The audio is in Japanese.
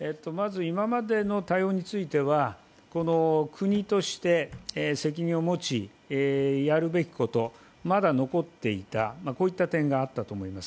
今までの対応については、国として責任を持ち、やるべきこと、まだ残っていた、こういった点があったと思います。